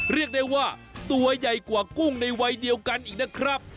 เรียกได้ว่าตัวใหญ่กว่ากุ้งในวัยเดียวกันอีกนะครับ